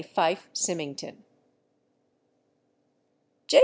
Fife Symington J.